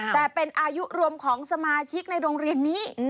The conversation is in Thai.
แต่เป็นอายุรวมของสมาชิกในโรงเรียนนี้